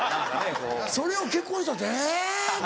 それを結婚したってえぇ。